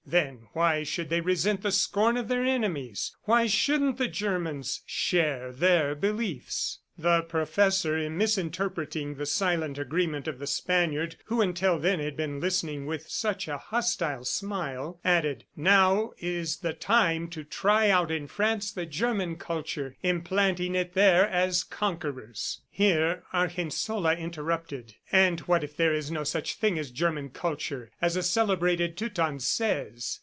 ... Then why should they resent the scorn of their enemies. ... Why shouldn't the Germans share in their beliefs? The professor, misinterpreting the silent agreement of the Spaniard who until then had been listening with such a hostile smile, added: "Now is the time to try out in France the German culture, implanting it there as conquerors." Here Argensola interrupted, "And what if there is no such thing as German culture, as a celebrated Teuton says?"